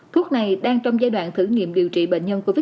thuốc này đang trong giai đoạn thử nghiệm điều trị bệnh nhân covid một mươi